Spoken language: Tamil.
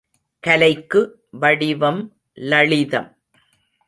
கலைக்கு வடிவம் லளிதம்.